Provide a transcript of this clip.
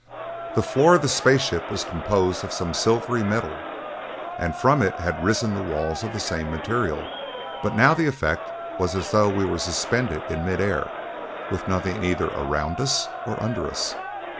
The floor of the space ship was composed of some silvery metal, and from it had risen walls of the same material, but now the effect was as though we were suspended in mid air, with nothing either around us or under us.